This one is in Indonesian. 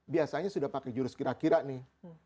biasanya sudah pakai jurus kira kira nih